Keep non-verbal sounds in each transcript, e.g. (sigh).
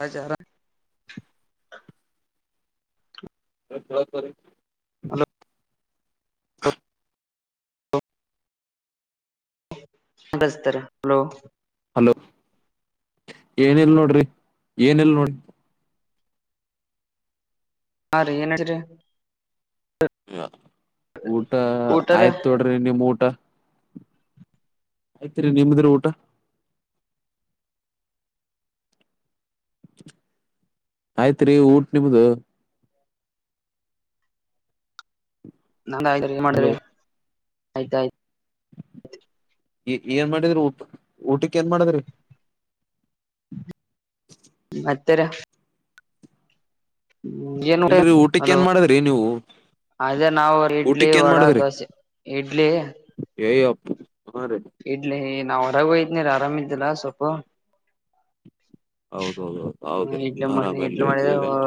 ಹಚಾರ ರ ಹಲೋ ಬತ ಹಲೋ ಏನಲ್ ನೋಡ್ರಿ ಏನಲ್ ನೋಡಿ ಹಾ ರೀ ಏನತರಿ ಹ ಊಟ ಊಟರ ಆಯ್ತ ತೊಡ್ರಿ ನಿಮ್ ಊಟ ಆಯ್ತ್ರಿೀ ನಿಮ್ದಿ್ರ ಊಟ ಆಯ್ತ್್ರರಿ ಊಟ ನಿಮ್ದ ನ್ ಹಲೋ ಮಾಡ್ರಿ ಆಯ್ತ ಆಯ್ತ ಈ ಏನ್ ಮಾಡಿದ್ರಿ ಊಟ ಊಟಕ್ಕೆ ಏನ್ ಮಾಡಿದ್ರಿ ಅತ್ತರ ಊಟ ಇಲ್ರರಿ ಊಟಕ್ಕೆ ಹಲೋ ಏನ್ ಮಾಡದ್ರಿ ನೀವು ಅದೇ ನಾವವು ಇಡ್ಲಿ ಊಟಕ್ ಏನ್ ವಡಾ ಮಾಡದ್ರಿ ದೋಸೆ ಇಡ್ಲಿ ಏಯಪ್ಪ ಹಾ ರೀ ಇಡ್ಲಿ ನಾವ ಹೊರಾಗ ಹೋಯತನಿರಿ ಆರಾಮ ಇದಿದಿಲ್ಲ ಸ್ವಲ್ಪ ಹ ಹೌದೌದೌದು ಹೌದ್ರಿ ಮಾಡ ಮಾಡ ಆರಾಮಲ್ರಿ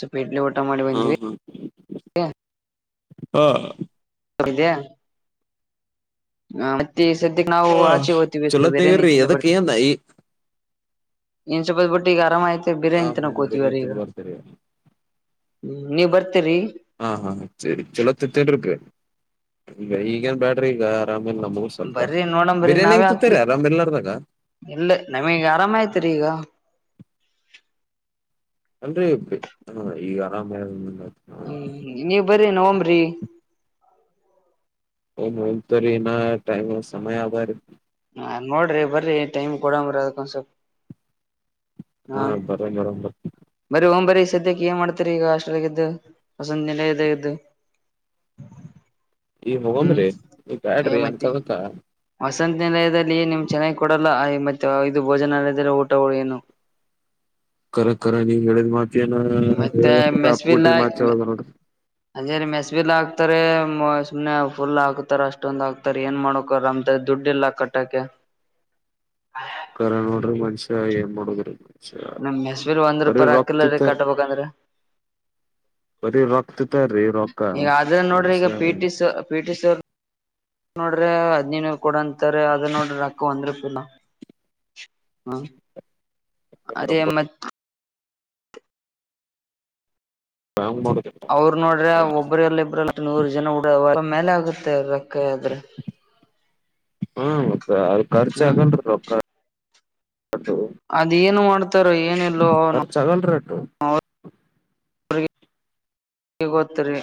ಸ್ವಲ್ಪ ಇಡ್ಲಿ ಊಟ ಮಾಡಿ ಹಾ ಬಂದ್ವಿ ಹಾ ೆಯ ಹ ಮತ್ತೆ ಸದ್ಯಕ್ಕೆ ನಾವು ಹ ಆಚೆ ಹೋಗ್ತೀವಿ ಅಷ್ಟ ಚಲೋ ಬೇರೆ ನೀ ತಗರಿ ತಿಂದ ಎದಕ್ ಬರ್ತೀವಿ ಏನ್ ಈ ಇನ್ ಸ್ವಲ್ಪತ್ ಬಿಿಟ್ಟು ಈಗ ಆರಾಮ ಐತೆ ಬೇರೆ ಹ ಹಾ ಇಂತನ ಬೇರೆ ಕೋತಿವ್ರ ಈಗ ತಿನ್ ಬರ್ತೀರಿ ನೀವ್ ಬರ್ತೀರಿ ಹಾ ಹಾ ಚಲೋ ತಿತ್ತನ್್ರ ಈಗ ಈಗೇನ್ ಬ್ಯಾಡ್ರಿ ಈಗ ಆರಾಮ್ ನ ಮೂರು ಸ್ವಲ್ಪ ಬರ್ರಿ ನೋಡಂಬರ್ರಿ ಬಿರಿಯಾನಿ ನಾವೇ ಹಂಗ ಹಾಕ್ತಿವಿ ತತರಿ ಅರಾಮ್ ಎಲೆಾರದಾಗ ಇಲ್ಲ ನಮಗ್ ಆರಾಮಯ್ತಿರಿ ಈಗ ಅಲ್ೀ ಹ ಈಗ ಆರಾಮ ಹ್ಮ್ ನೀವ್ ಬರಿ ನವಂಬ್ರಿ ಮಲ್ತ ರ ಇ ೈಮ ಸಮಯ ಆಭಾರ ಹ ನೋಡ್ರಿ ಬರ್ರಿ ಟೈಮ್ ಕೊಡಂಬ್ರಿ ಅದಕ್ಕೊಂದ ಸ್ವಲ್ಪ ಹಾ ಬರಿ ಬರಾಮ ಬ ಬರೀ ಓಂ ಬರೀ ಸದ್ಯಕ್ಕೆ ಏನ್ ಮಾಡ್ತರಿ ಈಗ ಹಾಸ್ಟೆಲ್ಗೆ ಇದ್ದು ಹೊಸಂದ ನೆಲ ಇದ ಇದ್ದು ಈ ಹ್ಮ್ ಹೋಗನ್್ರಿ ಈ ಅಯ ಬ್ಯಾಡ್ರಿ ಮತ್ತೆ ಅನ್ಕದಕ್ಕ ವಸಂತ ನಿಲಯದಲ್ಲಿ ನಿಮ್ ಚೆನ್ನಾಗಿ ಕೊಡಲ್ಲ ಮತ್ತೆ ಇದು ಭೋಜನಾಲಯದಲ್ಲಿ ಊಟಗಳು ಏನು ಕರಕ್ ಕರ ನೀ ನಡದ ಮಾಡ ನ ಮತ್ತೆ ಹೇಳೋಡ ಅಪ್ಪ ಮೆಸ್ಬಿಲ್ಲ ಕೊಟ್ರಿ ಮಚ್ದ ನೋಡ್ರಿ ಹಕ್ತಾರೆ ಸುಮ್ನೆ ಫುಲ್ ಹಾಕ್ತಾರ ಅಷ್ಟೊಂದ್ ಹಾಕ್ತಾರ ಏನ್ ಮಾಡಕರ ಅಮ ದುಡ್ ಇಲ್ಲ ಕಟ್ಟಕ ಕರ ನೋಡ್ರಿ ಮನುಷ್ಯ ಏನ್ ಮಾಡೋುದ್ರಿ ಮನುಷ್ಯ ನಮ್ ಮೆಸ್ವಿಲ್ ಒಂದ್ ಬರೀ ರೂಪಾಯ ರೊಕ್ ಹಾಕಿಲ್ಲ ರೀ ತಿಂತಾರ್ ಕಟ್ಬೇಕಂದ್ರೆ ಬರೀ ರೊಕ್ ತಿಂತಾರ್ರಿ ರೊಕ್ಕ ಈಗ ಅದ ನೋಡ್ರಿ ಈಗ ಮನುಷ್ಯ ಪಿ ಟ ಪಿಟ ಸ ಅವರ್ ನೋಡ್ರೆ ಹದ್ಿನೈನರು ಕೊಡಂತಾರೆ ಅದ ನೋಡ್ರ ಅಕ್ಕ ಒಂದ್ ರೂಪಾಯಿನ ಹ್ಮ ಅದೇ ಮತ್ತ ಹಂಗ್ ಮಾಡುದ ಅವ್ರ ನೋಡ್ರೆ ಒಬ್ಬ್ರ ಎಲ್ಲ ಇಬ್್ರಲ್ಲಿ ನೂರು ಜನ ಡ ಮೇಲೆ ಆಗುತ್ತೆ ಅವ್ರ ಕಬ್ರ ಹ್ಮ ಮತ್ತ ಅದ ಖರ್ಚ ಹ್ಮ್ ಆಗನ್ರಿ ಅದೇಏನು ಮಾಡ್ತಾರ ಏನಲ್ಲೋ ಅವನು ಖರ್ಚ್ ಆಗಲ್ರಿ ಅಟ್ಟು ರಿ ಇಗೊತರಿ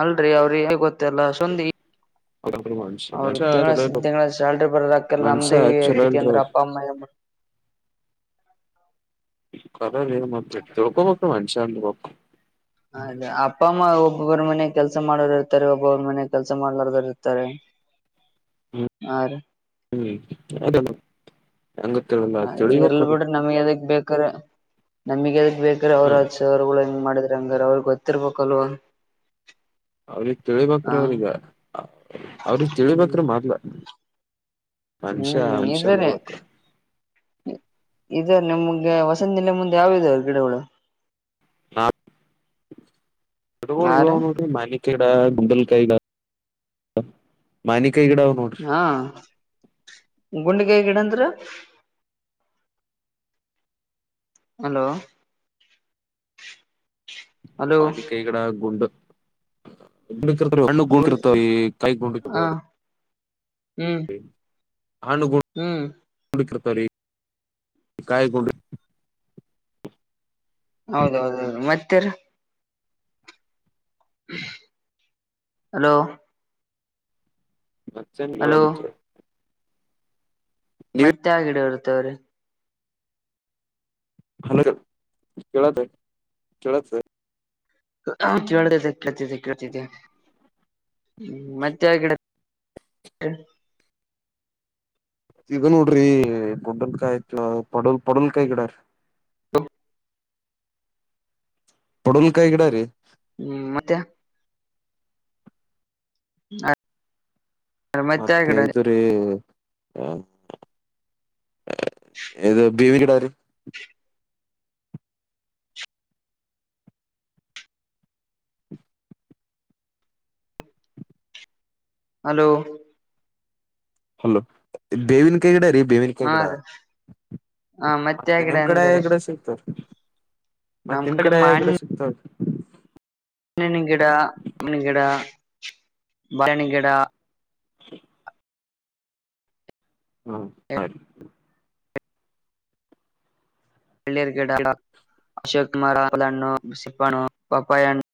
ಅಲ್ರರಿ ಅವ್ರಿ ಗೊತ್ತಲ್ಲ ಸುಂದಿ ಗಡ್ (unintelligible) ಅವರು ತಿಂಳ ತಿಂಗಳ ಸ್ಯಾಲ್ರಿ ಬರದಕಲ್ಲ ಮನುಷ್ಯ ನಮ್ಮ್ದೇವಿ ಚಲೋ ಆಕತಿ ಇಲ್ರಿ ಅಂದ್ರ ಅಪ್ಪ ಅಮ್ಮಮ್ಮ (inaudible) ಕರ ಮತ್ತೆ ತಿಳ್ಕೋಬೇಕ ಮನ್ಷ್ಯನ್ ಬ ಒಬ್ಬರ ಮನೆ ಕೆಲಸ ಮಾಡೋರು ಇರ್ತಾರೆ ಒಬ್ಬೊರ ಮನೆ ಕೆಲಸ ಮಾಡ್ಲಾರರು ಇರ್ತಾರೆ ಆರೆ ಅದೇ ಎರ್ಲ್ ಬಿಟ್ರೆ ನಮ್ಗೆ ಅದಕ್ ಬೇಕಾರ ನಮಗೆದಕ್ ಬೇಕ್ರ ಅವರು ಹ್ಮ್ ಆಚ ಅವರುಗಳ ಹೆಂಗ ಮಾಡಿದ್ರ ಹಂಗ ಅವ್ರಗ್ ಗೊತ್ತಿರ್ಬೇಕಲ್ಲ ಅವ್ರಿಗ್ ತಿಳಿಬೇಕ್ರ ಅವನಗ ಅವ್ರಿಗ್ ತಿಳಿಬೇಕ್ರ ಹ್ಮ್ ಮಾರ್ಲ ಹ್ಮ್ ಇದಾರೆ ಅನ್ಬೇಕ ನಿಮ್ ಮುಂದೆ ವಸಂತಿಲ್ಲ ಮುಂದೆ ಯಾವದೆವರು ಗಿಡಗಳು ಹ (unintelligible) ಯಾರ ಅ ಬಿಲ್ ಪಿಗ (unintelligible) ಹಾ ಗುಂಡಗಾಯ ಗಿಡ ಅಂದ್ರ ಹಲೋ ಹಲೋ ಮನ ಕೈಗಡ ಗುಡು ಹಣ್ಣು ಗೂಂಡ ಗುಂಡ್ ಇರ್ತವೆ ಈ ಕಾಯಿ ಗೂಂಡಿರ್ತಾವ ಹ ಹ್ಮ್ ಹ್ಮ್ ಆಣಗೊಂಡ ರಿ ಕಾಯ ಕೊಡ ಹೌದೌದೌದು ಮತ್ತರ ಹಲೋ ಹಲೋ (unintelligible) ನೀವೇ ಮತ್ತೆ ಯಾವ್ ಗಿಡ ಇರ್ತವ್ರೀ (unintelligible) ಕೇಳ ಕೇಳತ್ತ ಕೇಳ್ತೈತೇ ಕಳ್ತಿದೆ ಮತ್ತೆ ಆ (unintelligible) ಈಗ ನೋಡ್ರಿ ಪೊಡ್ಲ್ಕಾಯ ಆಯ್ತು ಪಡೋಲ್ ಪಡೋಲ್ಕಾಯಿ ಗಿಡ ರೀ (unintelligible) ಪಡೂಲ್ ಕಾಯ ಗಿಡ ರೀ ಹ್ಮ್ ಮತ್ತೆ ಹ ಮತ್ತೆ ಇದರಿ ಹ ಇದು ಭೀವಿ ಗಿಡರಿ ಹಲೋ ಹಲೋ ಬೇವಿನ ಕಾಯಿ ಗಿಡ ರೀ ಬೇವಿನ ಕಾಯಿ ಹಾ ಗಿಡ ಹ ಆ ಮತ್ತೆ ಗಿಡ ನಿಮ್ ಕಡೆ ಅಂದರಿ ಹೆಗಡೆ ಸಿಗ್ತಾರೆ ಮತ್ತೆ ನಿಮ್ ಕಡೆ ಗಿಡ ಸಿಗ್ತಾವರಿ ನಿಂಬೆಹಣ್ಣು ಗಿಡನಿ ಗಿಡ ಬಾಳೆಹಣ್ಣಿನ ಗಿಡ (unintelligible) ಹ್ಮ ಸರಿ ಪನೀರ್ ಗಗಿಡ (unintelligible) ಸಿಪ್ಪ ಪಪ್ಪಾಯ ಹಣ್ಣು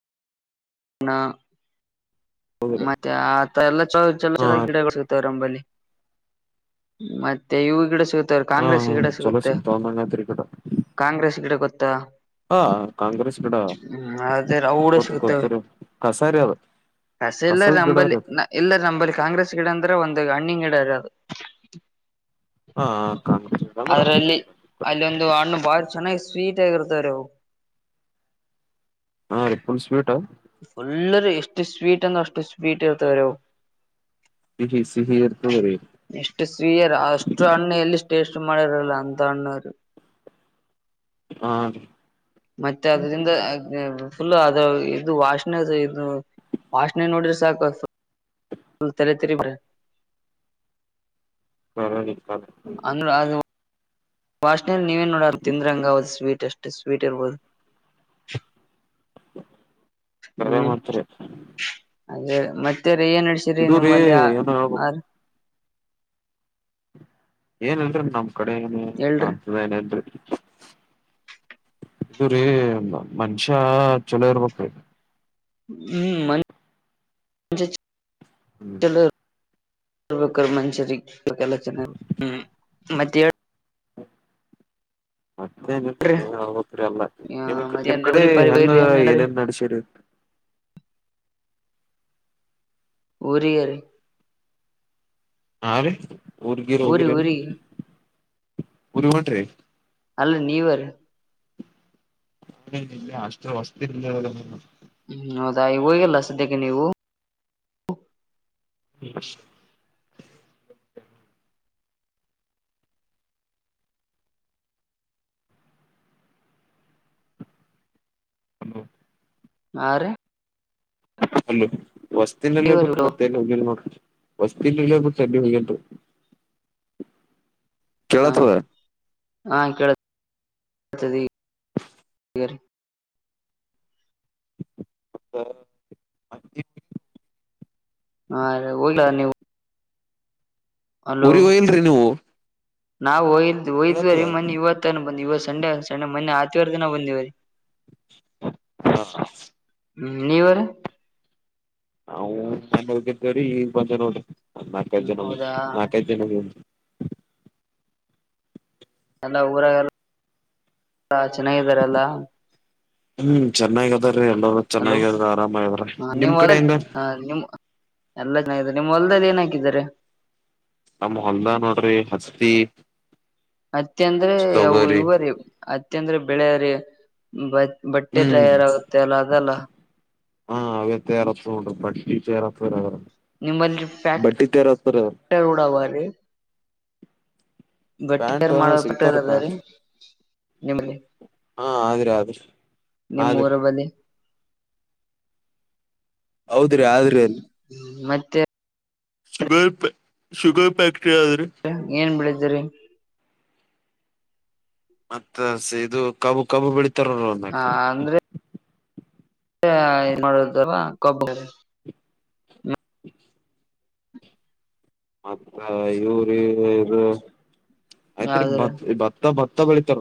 (unintelligible) ಹೌದಾ ಮತ್ತೆ ಆತ ಎಲ್ಲಾ ಚಲೋ ಚಲೋ ಹಾ ಚಲೋ ಗಿಡಗಳು ಸಿಗ್ತವೆ ರಂಬಲ್ಲಿ ಮತ್ತತ್ತ ಇವು ಗಿಡ ಸಿಗುತ್ತರು ಹಾ ಕಾಂಗ್ರೆಸ್ ಈ ಗಿಡ ಚಲೋ ಸಿಗುತ್ತೆ ಸಿಗ್ತಾವ ಅಂದಂಗತ್ರಿ ಗಿಡ ಕಾಂಗ್ರೆಸ್ ಗಿಡ ಗೊತ್ತ ಹಾ ಕಾಂಗ್ರೆಸ್ ಕಡ ಹ್ಮ್ ಅದೇ ಅವು ಕೂಡ ಕೊತ್ತ ಸಿಗುತ್ತವೆ ಕೊತ್ತರಿ ಕಸಾರ ಅದ ಎಲ್ಲರ ನಂಬಲ್ಲಿ ಎಲ್ಲರ ನಂಬಲ್ಲಿ ಕಾಂಗ್ರೆಸ್ ಗಿಡ ಅಂದ್ರೆ ಒಂದು ಹಣ್ಣಿ ಗಿಡರ ಅದು ಹಾ ಕಾಂಗ್ರೆಸ್ ಗಿಡ ಅಂದ್ರ ಅದರಲ್ಲಿ ಅಲ್ಲಿ ಒಂದು ಹಣ್ಣು ಬಾರಿ ಚೆನ್ನಾಗಿ ಸ್ವೀಟ್ ಆಗಿರುತ್ತೆ ತ್ತರೋ ಹಾ ರರಿ ಪುಲ್ಸ್ೀಟ ಫುಲ್ಲರ್ ಇಷ್ಟ ಸ್ವೀಟ್ ಅಂತ ಅಷ್ಟ ಸ್ವೀಟ್ ಎರ್ತವರೋ ಸಿಹಿ ಸಿಹಿ ಇರ್ತದ್ರಿ ಎಷ್ಟು ಸ್ವೀಯರ್ ಅಷ್ಟು ಅಣ್ಣ ಎಲ್ಲಿ ೇಸ್ಟ್ ಮಾಡಾರ ಅಲ್ಲ ಅಂತ ಅ್ಣ ಹಾ ಮತ್ತೆ ಅದರಿಂದ ಫುಲ್ ಅದ ಇದು ವಾಷನೆ ಇದು ವಾಷನೆ ನೋಡ್ರ ಸಾಕು ಹ ತಲೆ ತಿರಿಬ್ರ ಸರಿ ರ ಸ ವಾಷನೆ ನೀವೇನ್ ನೋಡ ತಿಂದ್ರಂಗ ಅವದು ಸ್ವೀಟ್ ಅಷ್ಟೇ ಸ್ವೀಟ್ ಇರ್ಬೋದು ಕರೆ ಹ್ಮ್ ಮಾತ್ರ ಅದೇ ಮತ್ತೆ ಏನ್ ಅಡ್ಸಿರಿ ನಿಮ್ಮಲ್ಲಿ ಏನ್ ಹೇಳ್ಬೇಕು ಯಾರ ಏನಲ್ರರಿ ನಮ್ ಕಡೆ ಏನ ಹೇಳ್ರಿ ಅಂತದ ಏನಲ್ರಿ ಇ್ರೀ ಮನುಷ್ಯ ಚಲೋ ಇರ್ಬೇಕ ಹ್ಮ್ ಮ ಹ್ಮ್ ಚಲೋ ಬರ್ಬೇಕ್ರ ಮನುಷ್ಯರಿಗೆಲ ಚನೆ ಹ್ಮ ಮತ್ತ ಮತ್ತೆ ನಿರಿ ಹೇಳ್ರಿ ನೀವತ್್ರರಿ ಅಲ್ಲ ನಿಮ್ ನಿಮ್ ಮತ್ತೇನ್ರಿ ಕಡೆ ಊರಿ ಪಾರಿ ಹೆಂಗ ಬೈರಿ ಏನ್ ಹೇಳ್ರಿ ಏನೇನ್ ನಡಸಿಡಿ ಊರಿರಿ ಹಾ ರೀ ಊರ್ಗಿರು ಹೋಗಿರಲ್ಲ ಊರಿ ಊರಿ ಹೊಂಟ್ರೀ ಅಲ್ಲ ನೀವರೀ ಲ್ಲಿ ಅಷ್ಟು ವಸ್ತು ಇಲ್ಲ. ಹ್ಮ್ ಹೌದಾ ಈ ಹೋಗಲ್ಲ ಸದ್ಯಕ್ಕೆ ನೀವು (unintelligible) ಹಲೋ ಹಾರಿ ಅಲ್ಲ ವಸ್ತಿನಲ್ಲೇಬೇಕು ನೀವರು ಮತ್ತೇನು ಹೋಗ ನೋಡ. ವಸ್ತಿ ಇಲ್ಲಲ್ಲ ಚಡಿ ಹಳಟು ಕೇಳ ತದ ಅ. ಹೇರಿ. ಹ. ಹಾ ಹೋಗ್ಲ ನೀವು. ಉರಿ ಇಲ್ರಿ ನೀವು. ನಾವು್ರೆ ಮ ಕೇಳತದ ಯುವತಂದ ಯ. ಸಂಡೆ ಸಂಡೆ ಮೊೆ ಆತ್ವರ್ ದಿನ ಬಂದಿವ ರೀ ಹಾ. ಹ್ಮ್ ನೀನ್ಯೂವರ್. ಹ ನ ಹಗ್ದೇರಿ ಈ ಬಂಚೋಡಿ ನಾಲ್ಕೈದು ಜನ ಹೌದಾ ನಾಲ್ಕೈದು ಜನ ಎಲ್ಲ ಊರಾಗಲ್ಲ ಚೆನ್ನಾಗಿದಾರಲ್ಲ ಹ್ಮ್ ಚೆನ್ನಾಗ ಅದ್ರೀ ಎಲ್ಲ ಹಲೋ ಚೆನ್ನಾಗದ ಆರಾಮದ್ರ ನಿಮ್ ಕಡೆ ಹೆಂಗ ನಿಮ್ ಎಲ್ಲಾ ಚೆನ್ನಿದ್ದಾರೆ ನಿಮ್ಮ್ ಹೊಲ್ದಲ್ಲಿ ಏನ್ ಹಾಕಿದ್ದಾರೆ. ನಮ್ಮ ಹೊಲ್ದ ನೋಡ್ರಿ ಹಸ್. ಅತ್ತ ಅಂದ್ರೆ ಅ ಇವರಿೀ ಅತ್ತ ಅಂದ್ರೆ ಬೆಳೆಯ್ರ ಬಟ್ಟೆ ಹ್ಮ್ ತಯಾರಾಗುತ್ತೆ ಅಲ್ಲ ಅದಲ್ಲ. ಹಾ ಅವ್ಯತ್ತ ಯಾರ ತಗೊಂಡ್ರು ಬಟ್ಟಿ. (unintelligible) ನಿಮ್ಮಲ್ಲಿ ಫ್ಯಾಕ್ಟರಿ ಬಟ್ಟಿ ತರತ್ತರ. ಕೂಡ ಬಟ್ಟಿ (unintelligible) ಮಾಡ ಸಿಗ್ತಾವ್ರಿ ಪಟ್ಟದದ ರೀ. ಪ್ಯಾಂಟ್ ನಿಮ್ದೇ ಹಾ ಆದ್ರಿ ಆದ್ರಿ ಆದ್ರಿ ನಿಮ್ಮೂರಗ್ ಬಂದೀನ್. ಹೌದ್ರಿ ಆದ್ರಿ ಹ್ಮ್ ಅಲ್ಲಿ ಮತ್ತೆ. (unintelligible) ಮತ್ತೆ ಏನೇನ್ ಮಾಡಿದಿರಿ. ಮತ್ತ ಸಿದು ಕಬು ಕಬು ಬೆಳಿತಾರ ಒಂದ್ ಹ (unintelligible) ಅಂದ್ರೆ (unintelligible) (inaudible) ಮತ್ತ ಇವು ರೀ ಇರ್ ಆಯ್ತ್ರಿ ಯಾವ್ದ್ರ ಭತ್ ಭತ್ತ ಭತ್ ತ್ತ ಬೆಳಿತಾರ.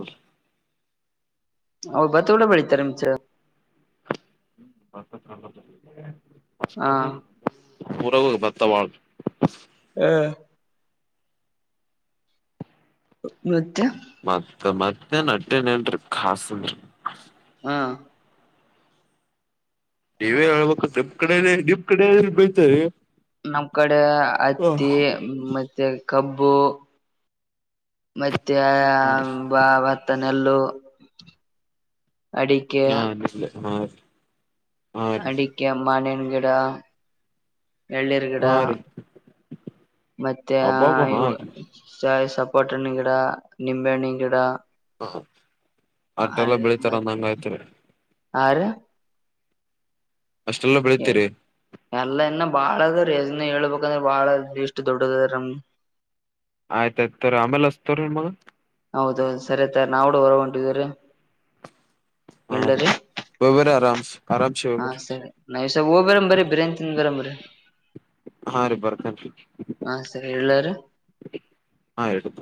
ಹೌ ಬತ್ತ ಕೂಡ ಬೆಳಿತಾರ ಮಚ್ಚಾ. (unintelligible) ಹಾ. ಉರಾಗವ್ ಭತ್ತವಾಳ್ ಹ ಮತ್ತೆ. ಮತ್ತ ಮತ್ತೇನಟ್ಟೆನೆನ್ರಿ ಖಾಸಿಲ್ಲ್ ಹಾ. ನೀವೇ ಹೇಳ್ಬೇಕು ನಿಮ್ ಕಡೆನೇ ನಿಮ್ ಕಡೆ ಏನಾದ್ರು ಬೆಳಿತಾರೆ. ನಮ್ ಕಡೆ ಹತ್ತಿ ಮತ್ ತ್ತೆ ಕಬ್ಬು ಮತ್ತೆ ಹಾ ಬಾವತ್ತ. ನೆಲ್ಲು ಅಡಿಕೆ. ಹಾ ರೀ. ಅಡಿಕೆ ಮಾನೆಣ್ಣ್ ಗಿಡ. ಎಳ್ನೀರ್ ಗಿಡ ಹಾ ರೀ ಮತ್ತೆ ಅಬ್ಬಬ್ಬ ಹಾ ರೀ (unintelligible) ಸಪೋಟಣ್ಣಿನ್ ಗಿಡ ನಿಂಬೇಹಣ್ಣಿನ್ ಗಿಡ. ಅಹಾ ಅಟೆಲ್ಲ ಬೆಳಿತಾರ ಅಂದಂಗಾಯ್ತ್ರಿ. ಆರೇ ಅಷ್ಟೆಲ್ಲ ಬೆಳೀತೀರಿ. ಎಲ್ಲ ಇನ್ನ ಬಾಳ ಅದ ರೀ ಅದ್ನ ಹೇಳ್ಬೇಕಂದ್ರೆ ಬಾಳ ಇಷ್ಟು ದೊಡ್ಡದದ ನಮ್ (unintelligible) ಹೌದೌದು ಸರಿ ಅತ್ತೆ ನಾವುಡ ಹೊರಗೊಂಟಿದಿವ್ರಿ. (unintelligible) ಹಾ ಹೋಗ್ಬರ್ರಿ ಸರಿ ನೈಸಾಗ್ ಹೋಗ್ಬರಮ್ ಬರ್ರಿ ಬಿರಿಯಾನಿ ತಿನ್ ಬರಂ ಬರ್ರಿ. ಹಾ ರೀ ಬರ್ತೇನ್ರಿ ಹಾ ಸರಿ ಹೆಳ್ಳಾರ. ಹಾ ಹೇಳ್ಬೇಕು.